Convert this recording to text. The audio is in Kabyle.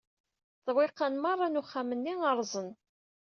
Ṭṭwiqan meṛṛa n uxxam-nni ṛẓen